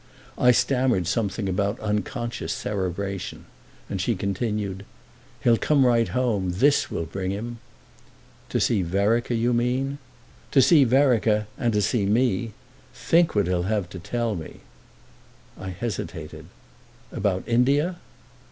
I stammered something about unconscious cerebration, and she continued: "He'll come right home—this will bring him." "To see Vereker, you mean?" "To see Vereker—and to see me. Think what he'll have to tell me!" I hesitated. "About India?"